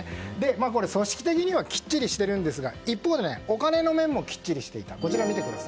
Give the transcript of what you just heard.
組織的にはきっちりしているんですが一方でお金の面もきっちりしていた。